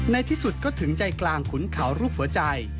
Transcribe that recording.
ในที่สุดก็ถึงใจกลางขุนเขารูปหัวใจ